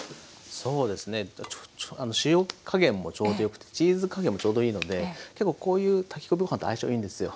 そうですね塩加減もちょうどよくてチーズ加減もちょうどいいので結構こういう炊き込みご飯と相性いいんですよ。